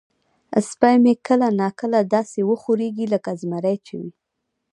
سپی مې کله نا کله داسې وخوریږي لکه زمری چې وي.